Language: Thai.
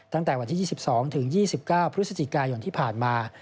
ตั้งแต่วันที่๒๒ถึง๒๒๙พฤศจิกายนที่ผ่านมา